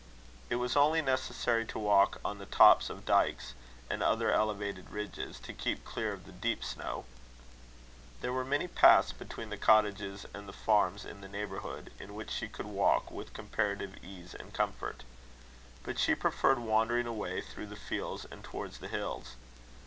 It was only necessary to walk on the tops of dykes, and other elevated ridges, to keep clear of the deep snow. There were many paths between the cottages and the farms in the neighbourhood, in which she could walk with comparative ease and comfort. But she preferred wandering away through the fields and toward the hills.